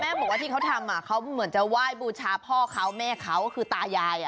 บอกว่าที่เขาทำเขาเหมือนจะไหว้บูชาพ่อเขาแม่เขาก็คือตายาย